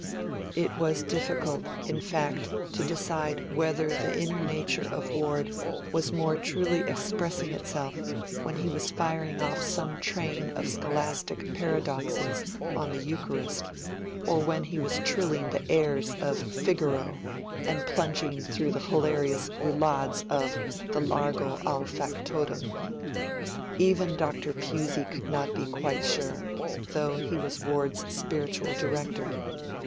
It was difficult, in fact, to decide whether the inner nature of Ward was more truly expressing itself when he was firing off some train of scholastic paradoxes on the Eucharist or when he was trilling the airs of Figaro and plunging through the hilarious roulades of the Largo al Factotum. Even Dr. Pusey could not be quite sure, though he was Ward's spiritual director.